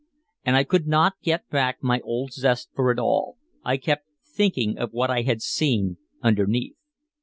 And I could not get back my old zest for it all, I kept thinking of what I had seen underneath.